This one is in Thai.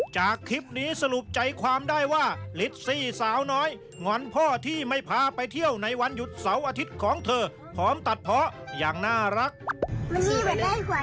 จากคลิปนี้สรุปใจความได้ว่าลิสซี่สาวน้อยหงอนพ่อที่ไม่พาไปเที่ยวในวันหยุดเสาร์อาทิตย์ของเธอพร้อมตัดเพาะอย่างน่ารัก